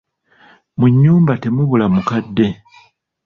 Mu nnyumba temubula mukadde.